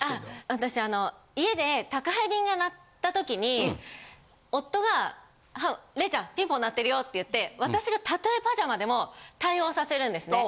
私家で宅配便が鳴った時に夫が「怜ちゃんピンポン鳴ってるよ」って言って私がたとえパジャマでも対応させるんですね。